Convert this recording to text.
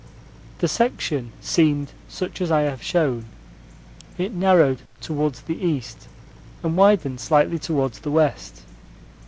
The section seemed such as I have shown. It narrowed towards the east and widened slightly towards the west.